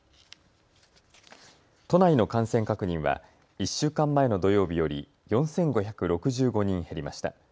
都内の感染確認は１週間前の土曜日より４５６５人減りました。